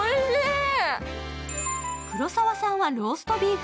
黒沢さんはローストビーフ。